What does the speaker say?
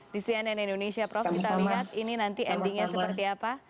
di cnn indonesia prof kita lihat ini nanti endingnya seperti apa